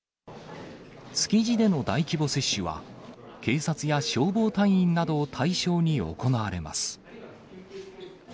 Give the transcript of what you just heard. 築地での大規模接種は、警察や消防隊員などを対象に行われます。